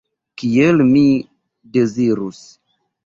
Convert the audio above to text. Kiel mi dezirus.